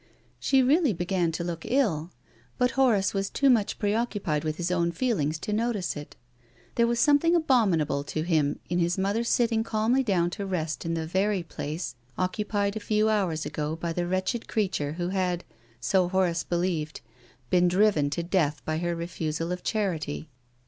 She really began to look ill, but Horace was too much preoccupied with his own feelings to notice it. There was something abominable to him in his mother sitting calmly down to rest in the very place occupied a few hours ago by the wretched creature who had, so Horace believed, been driven to death by her refusal of charity.